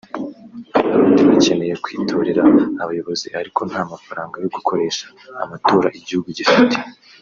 Abarundi bakeneye kwitorera Abayobozi ariko nta mafaranga yo gukoresha amatora igihugu gifite